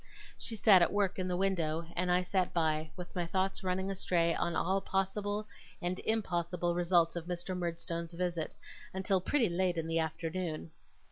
She sat at work in the window, and I sat by, with my thoughts running astray on all possible and impossible results of Mr. Murdstone's visit, until pretty late in the afternoon.